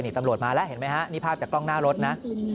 ตำรวจมาแล้วเห็นไหมฮะนี่ภาพจากกล้องหน้ารถนะ